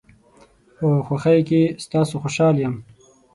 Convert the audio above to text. په خوشۍ کې ستاسو خوشحال یم.